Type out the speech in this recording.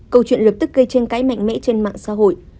câu chuyện lập tức gây tranh cãi mạnh mẽ trên mạng xã hội